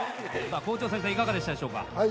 校長先生いかがでしたでしょうか？